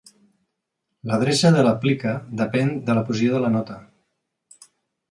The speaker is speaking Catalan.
L'adreça de la plica depèn de la posició de la nota.